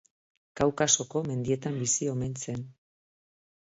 Kaukasoko mendietan bizi omen zen.